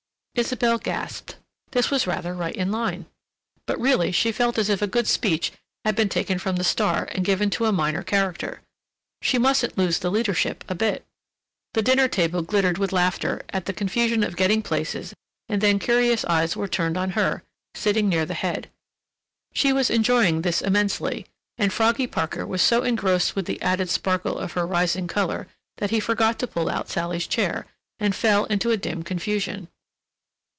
Isabelle gasped—this was rather right in line. But really she felt as if a good speech had been taken from the star and given to a minor character.... She mustn't lose the leadership a bit. The dinner table glittered with laughter at the confusion of getting places and then curious eyes were turned on her, sitting near the head. She was enjoying this immensely, and Froggy Parker was so engrossed with the added sparkle of her rising color that he forgot to pull out Sally's chair, and fell into a dim confusion.